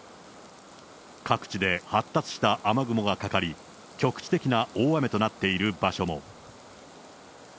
各地で発達した雨雲がかかり、局地的な大雨となっている場所も。